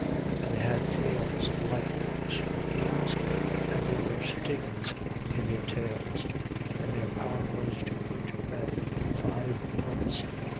9:10. And they had tails like to scorpions: and there were stings in their tails. And their power was to hurt men, five months.